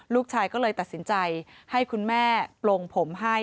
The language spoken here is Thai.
ลูกชายก็เลยตัดสินใจให้คุณแม่ปลงผมให้